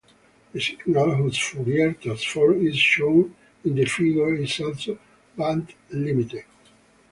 The signal whose Fourier transform is shown in the figure is also bandlimited.